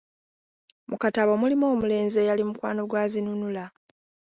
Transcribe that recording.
Mu katabo mulimu omulenzi eyali mukwano gwa Zinunula.